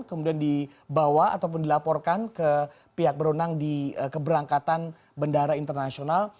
kemudian dibawa ataupun dilaporkan ke pihak berwenang di keberangkatan bandara internasional